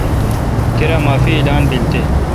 کیر معافی اعلان بیل تے۔